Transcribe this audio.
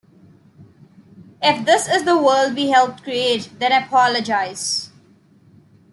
If this is the world we helped create, then I apologise.